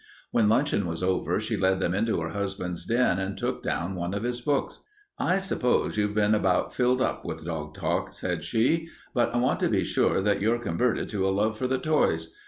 When luncheon was over, she led them into her husband's den and took down one of his books. "I suppose you've been about filled up with dog talk," said she, "but I want to be sure that you're converted to a love for the toys.